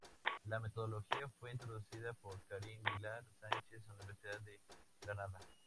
La metodología fue introducida por Karin Vilar Sánchez, Universidad de Granada.